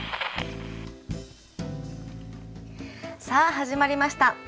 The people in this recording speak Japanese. さあ始まりました。